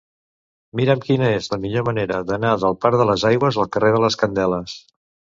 Mira'm quina és la millor manera d'anar del parc de les Aigües al carrer de les Candeles.